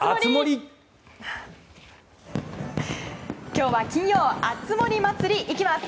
今日は金曜熱盛祭り、いきます！